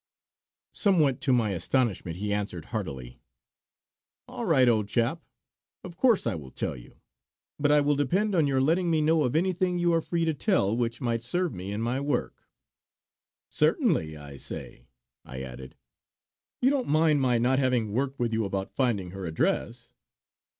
Somewhat to my astonishment he answered heartily: "All right, old chap, of course I will tell you; but I will depend on your letting me know of anything you are free to tell which might serve me in my work." "Certainly! I say," I added, "you don't mind my not having worked with you about finding her address."